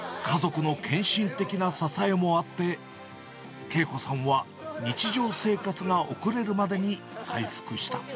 家族の献身的な支えもあって、慶子さんは日常生活が送れるまでに回復した。